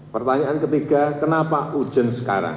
pertanyaan ketiga kenapa urgen sekarang